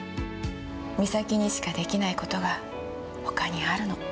美咲にしかできないことがほかにあるの。